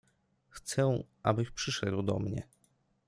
— Chcę, abyś przyszedł do mnie.